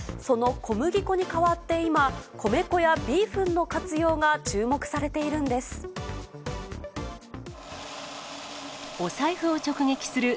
その小麦粉に代わって今、米粉やビーフンの活用が注目されているんです。